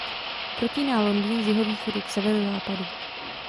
Protíná Londýn z jihovýchodu k severozápadu.